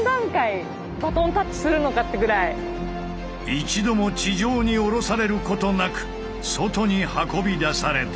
一度も地上におろされることなく外に運び出された。